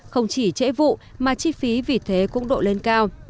không chỉ trễ vụ mà chi phí vì thế cũng độ lên cao